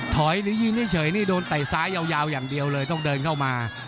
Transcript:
หรือยืนเฉยนี่โดนไต่ซ้ายยาวอย่างเดียวเลยต้องเดินเข้ามา